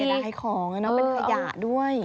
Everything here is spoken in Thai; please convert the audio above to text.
เหลียดหายของนะเป็นขยะด้วย